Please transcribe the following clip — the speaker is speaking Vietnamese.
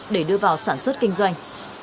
để đưa vào sản xuất kinh doanh